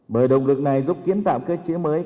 bởi động lực này giúp kiến tạo cơ chế mới